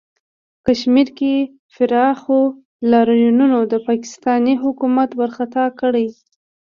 کشمیر کې پراخو لاریونونو د پاکستانی حکومت ورخطا کړی